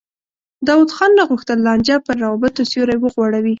داود خان نه غوښتل لانجه پر روابطو سیوری وغوړوي.